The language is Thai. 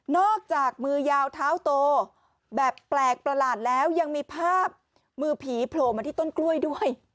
อกจากมือยาวเท้าโตแบบแปลกประหลาดแล้วยังมีภาพมือผีโผล่มาที่ต้นกล้วยด้วย